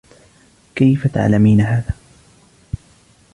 كيفَ تعلمين هذا؟